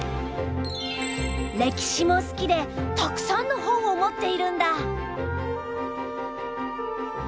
歴史も好きでたくさんの本を持っているんだ。